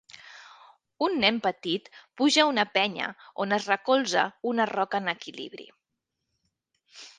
Un nen petit puja a una penya on es recolza una roca en equilibri